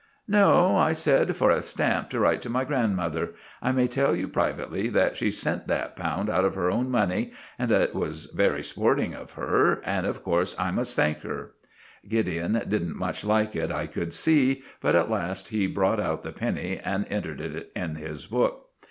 "No," I said; "for a stamp to write to my grandmother. I may tell you privately that she sent that pound out of her own money, and it was very sporting of her, and of course I must thank her." Gideon didn't much like it, I could see; but at last he brought out the penny and entered it in his book.